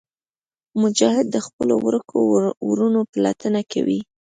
مجاهد د خپلو ورکو وروڼو پلټنه کوي.